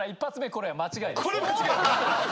これ間違い？